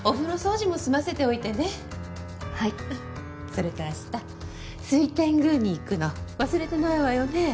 それと明日水天宮に行くの忘れてないわよね？